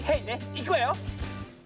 いくわよ！